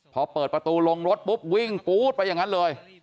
พอเปิดประตูลงรถปุ๊บวิ่งปู๊ดไปอย่างนั้นเลย